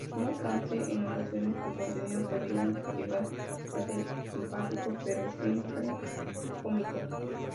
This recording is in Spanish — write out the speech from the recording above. No obstante, en ocasiones su contenido podía llegar a ser simpático, pero siempre cómico.